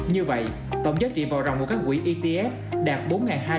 như vậy tổng giá trị vào rồng của các quỹ etf đạt bốn hai trăm năm mươi bốn tỷ đồng trong tháng một